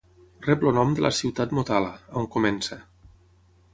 Rep el nom de la ciutat Motala, on comença.